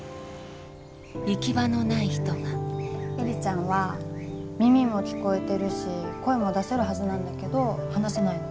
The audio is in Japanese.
行き場のない人が映里ちゃんは耳も聞こえてるし声も出せるはずなんだけど話せないの。